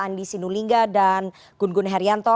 andi sinulinga dan gun gun herianto